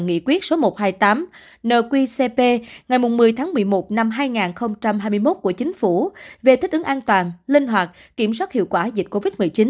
nghị quyết số một trăm hai mươi tám nqcp ngày một mươi tháng một mươi một năm hai nghìn hai mươi một của chính phủ về thích ứng an toàn linh hoạt kiểm soát hiệu quả dịch covid một mươi chín